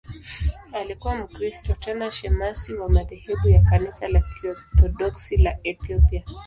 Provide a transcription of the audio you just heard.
Alikuwa Mkristo, tena shemasi wa madhehebu ya Kanisa la Kiorthodoksi la Ethiopia.